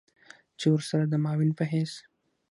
چې ورسره د معاون په حېث